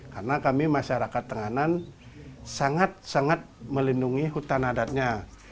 karena kami masyarakat tenganan sangat sangat melindungi hutan adatnya